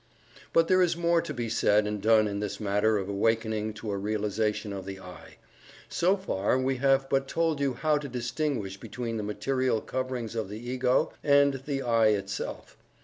But there is more to be said and done in this matter of awakening to a realization of the "I." So far, we have but told you how to distinguish between the material coverings of the Ego and the "I" itself.